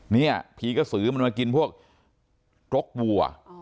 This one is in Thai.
นี่ผีกระสือมันมากินพวกกรกวัว